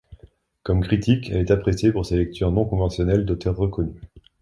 Comme critique, elle est appréciée pour ses lectures non conventionnelles d'auteurs reconnus.